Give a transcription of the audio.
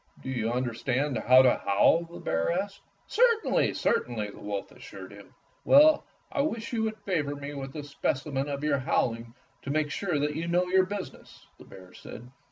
"Do you understand how to howl?" the bear asked. "Certainly, certainly," the wolf assured him. "Well, I wish you would favor me with a specimen of your howling to make sure that you know your business," the bear said.